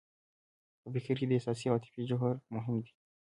په فکر کې د احساس او عاطفې جوهر مهم دی.